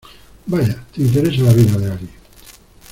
vaya, te interesa la vida de alguien.